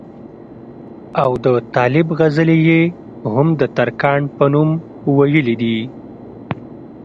او د طالب غزلې ئې هم دترکاڼ پۀ نوم وئيلي دي